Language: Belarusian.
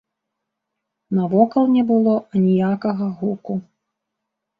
Навокал не было аніякага гуку.